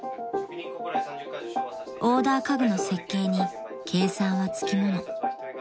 ［オーダー家具の設計に計算はつきもの］